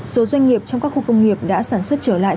số doanh nghiệp trong các khu công nghiệp đã sản xuất trở lại